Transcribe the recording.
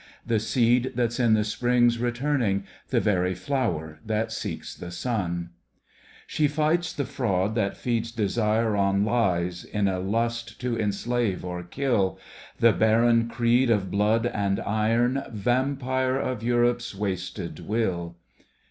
The seed that's in the Spring's returning. The very flower that seeks the sun. She fights the fraud that feeds desire on Lies, iir a lost to en^v^ of kiB, The barreif cseed of blood and iron, Vaitfpinf of Ettape'ir vvoisted vnBt